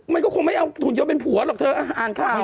มันก็คงไม่เอาหุ่นยนต์เป็นผัวหรอกเธออ่านข่าว